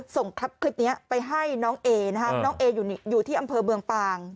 ส่งคลิปนี้ไปให้น้องเอนะฮะน้องเออยู่ที่อำเภอเมืองปาง